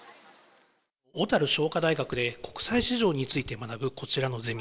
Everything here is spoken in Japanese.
小樽商科大学で、国際市場について学ぶこちらのゼミ。